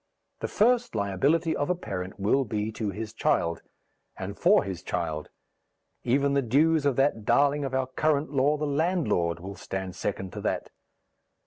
The first liability of a parent will be to his child, and for his child; even the dues of that darling of our current law, the landlord, will stand second to that.